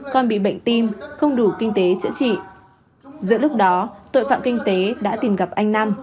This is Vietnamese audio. con bị bệnh tim không đủ kinh tế chữa trị giữa lúc đó tội phạm kinh tế đã tìm gặp anh nam